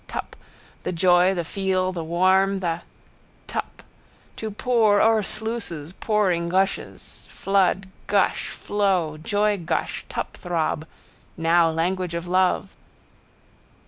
Tup. The joy the feel the warm the. Tup. To pour o'er sluices pouring gushes. Flood, gush, flow, joygush, tupthrob. Now! Language of love.